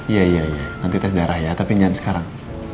iya iya iya nanti tes darah ya tapi jangan sekarang